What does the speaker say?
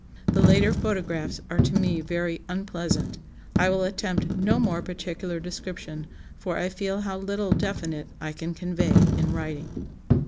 The later photographs are to me very unpleasant. I will attempt no more particular description, for I feel how little definite I can convey in writing."